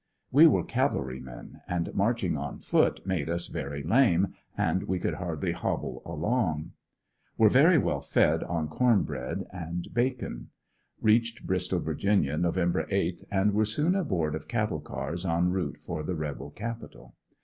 We were cavalrymen, and marching on foot made us very lame, and we could hardly hobble along. Were very well fed on corn bread and bacon. Reached Bristol, Va., Nov. 8th and were soon aboard of cattle cars en route for the rebel capital.